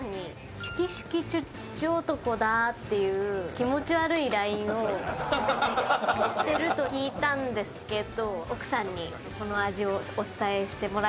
気持ち悪いＬＩＮＥをしてると聞いたんですけど。